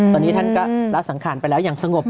ตอนนี้ท่านก็ละสังขารไปแล้วอย่างสงบ